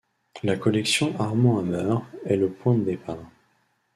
La collection Armand Hammer est le point de départ.